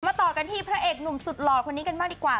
ต่อกันที่พระเอกหนุ่มสุดหล่อคนนี้กันบ้างดีกว่า